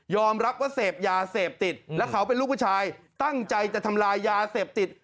รับว่าเสพยาเสพติดแล้วเขาเป็นลูกผู้ชายตั้งใจจะทำลายยาเสพติด